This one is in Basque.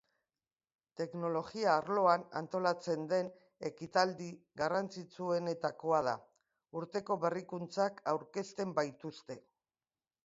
Teknologia arloan antolatzen den ekitaldi garrantzitsuenetakoa da, urteko berrikuntzak aurkezten baitituzte.